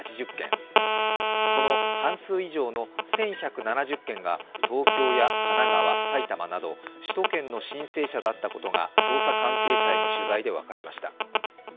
この半数以上の１１７０件が東京や神奈川、埼玉など首都圏の申請者だったことが捜査関係者への取材で分かりました。